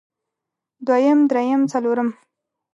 دويم درېيم څلورم